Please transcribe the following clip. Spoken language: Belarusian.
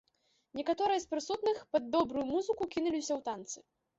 Некаторыя з прысутных, пад добрую музыку, кінуліся ў танцы.